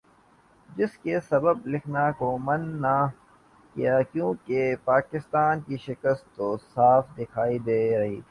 جس کے سبب لکھنے کو من نہ کیا کیونکہ پاکستان کی شکست تو صاف دکھائی دے رہی تھی ۔